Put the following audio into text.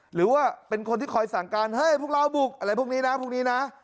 หรือว่าเป็นคนที่คอยสั่งการเฮ้ยพวกเราบุกอะไรพวกนี้นะพวกนี้นะ